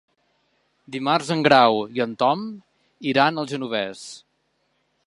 Dimarts en Grau i en Tom iran al Genovés.